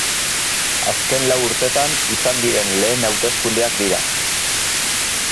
Azken lau urtetan izan diren lehen hauteskundeak dira.